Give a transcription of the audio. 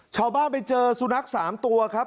ชาวบ้านไปเจอสุนัข๓ตัวครับ